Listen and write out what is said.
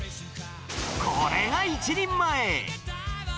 これが１人前。